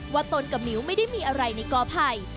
ว่าตนกับมิวไม่ได้มีอะไรในกอภัย